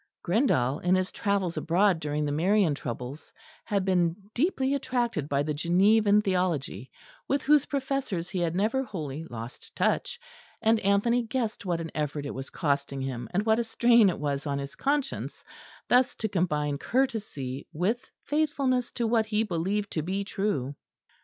Grindal, in his travels abroad during the Marian troubles, had been deeply attracted by the Genevan theology, with whose professors he had never wholly lost touch; and Anthony guessed what an effort it was costing him, and what a strain it was on his conscience, thus to combine courtesy with faithfulness to what he believed to be true.